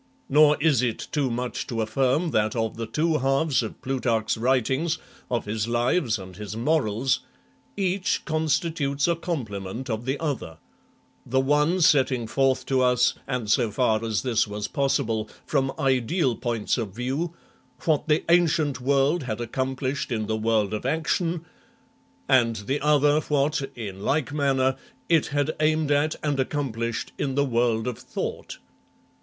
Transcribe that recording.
Nor is it too much to affirm that of the two halves of Plutarch's writings, of his Lives and his Morals, each constitutes a complement of the other; the one setting forth to us, and, so far as this was possible, from ideal points of view, what the ancient world had accomplished in the world of action, and the other what, in like manner, it had aimed at and accom plished in the world of thought" (Trench, Plutarch, p. 90).